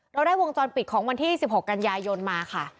เราได้วงจรปิดของวันที่๑๖กันยายนมาค่ะ